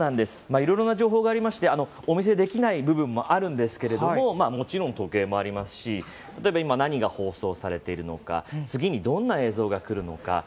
いろいろな情報のモニターがありましてお見せできない部分もあるんですけれどももちろん時計もありますし例えば今、何が放送されているのか次にどんな映像がくるのか。